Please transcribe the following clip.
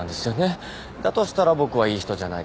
だとしたら僕はいい人じゃないです。